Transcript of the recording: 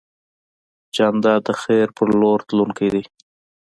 جانداد د خیر په لور تلونکی دی.